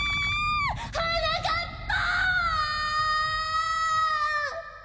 はなかっぱ！